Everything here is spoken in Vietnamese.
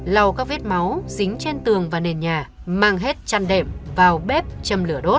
lau các vết máu dính trên tường và nền nhà mang hết chăn đệm vào bếp châm lửa đốt